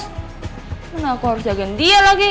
emang aku harus jagain dia lagi